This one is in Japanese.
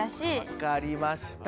分かりました。